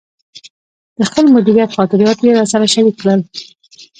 د خپل مدیریت خاطرات یې راسره شریک کړل.